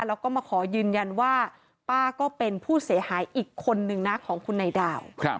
แล้วก็มาขอยืนยันว่าป้าก็เป็นผู้เสียหายอีกคนนึงนะของคุณนายดาว